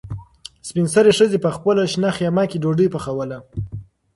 سپین سرې ښځې په خپله شنه خیمه کې ډوډۍ پخوله.